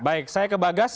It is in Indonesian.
baik saya ke bagas